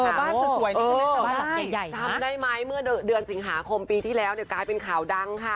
บ้านสวยดีแต่ว่าจำได้ไหมเมื่อเดือนสิงหาคมปีที่แล้วเนี่ยกลายเป็นข่าวดังค่ะ